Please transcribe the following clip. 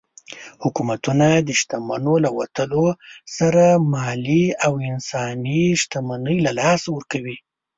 حکومتونه د شتمنو له وتلو سره مالي او انساني شتمني له لاسه ورکوي.